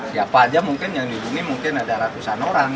siapa aja mungkin yang dihubungi mungkin ada ratusan orang